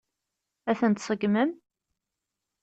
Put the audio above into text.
Ad tent-tseggmem?